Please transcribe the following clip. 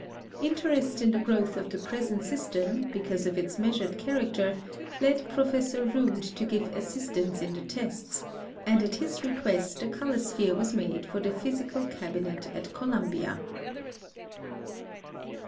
Interest in the growth of the present system, because of its measured character, led Professor Rood to give assistance in the tests, and at his request a color sphere was made for the Physical Cabinet at Columbia.